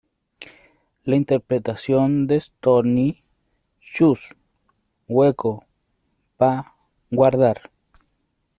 La interpretación de Storni: "Chus", hueco; "pa", guardar.